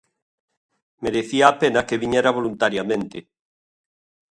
Merecía a pena que viñera voluntariamente.